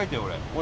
俺。